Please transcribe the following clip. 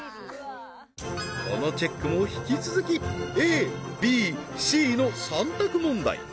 このチェックも引き続きＡＢＣの３択問題